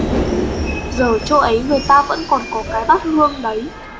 giờ chỗ ấy người ta vẫn có cái bát hương đấy